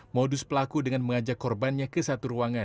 modus pelaku dengan mengajak korbannya ke satu ruangan